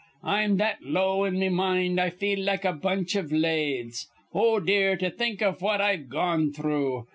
I'm that low in me mind I feel like a bunch iv lathes. Oh, dear, to think iv what I've gone through.